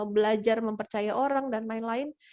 belajar mempercaya orang dan lain lain